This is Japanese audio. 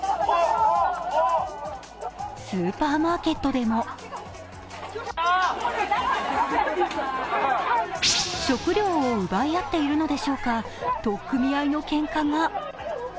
スーパーマーケットでも食料を奪い合っているのでしょうか取っ組み合いのけんかが。